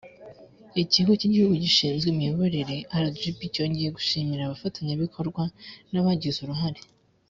Ikigo cy igihugu gishinzwe imiyoborere rgb cyongeye gushimira abafatanyabikorwa n abagize uruhare